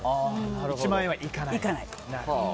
１万円はいかないと。